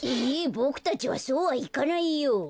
ボクたちはそうはいかないよ。